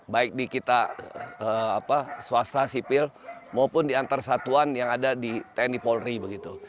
baik di kita swasta sipil maupun di antar satuan yang ada di tni polri begitu